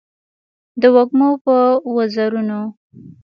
د وږمو په وزرونو